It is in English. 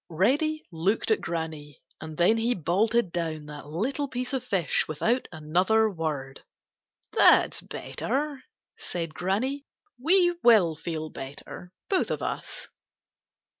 Reddy looked at Granny, and then he bolted down that little piece of fish without another word. "That's better," said Granny. "We will feel better, both of us.